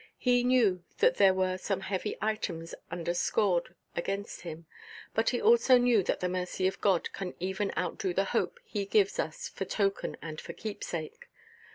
He knew that there were some heavy items underscored against him; but he also knew that the mercy of God can even outdo the hope He gives us for token and for keepsake.